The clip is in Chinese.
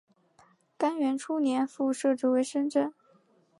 干元初年复改置为深州。